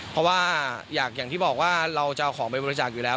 เพราะว่าอย่างที่บอกว่าเราจะเอาของไปบริจาคอยู่แล้ว